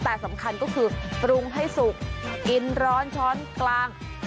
แต่สำคัญก็คือปรุงให้สุกกินร้อนช้อนกลาง